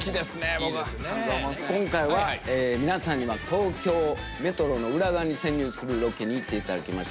今回は皆さんには東京メトロの裏側に潜入するロケに行って頂きました。